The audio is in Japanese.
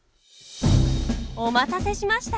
お待たせしました！